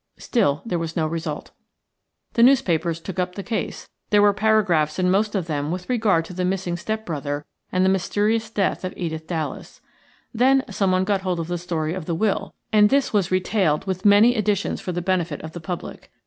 Still there was no result. The newspapers took up the case; there were paragraphs in most of them with regard to the missing step brother and the mysterious death of Edith Dallas. Then someone got hold of the story of the will, and this was retailed with many additions for the benefit of the public.